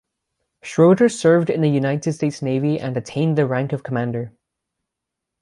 Schroeder served in the United States Navy and attained the rank of commander.